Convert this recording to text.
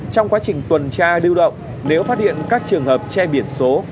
trong quá trình tuần tra lưu động nếu phát hiện các trường hợp che biển số